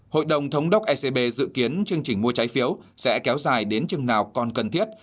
hội đồng thống đốc ecb dự kiến chương trình mua trái phiếu sẽ kéo dài đến chừng nào còn cần thiết